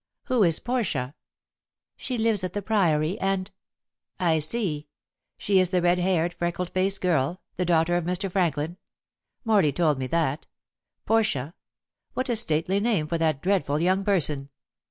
"Who is Portia?" "She lives at the Priory, and " "I see. She is the red haired, freckle faced girl the daughter of Mr. Franklin. Morley told me that. Portia! What a stately name for that dreadful young person!"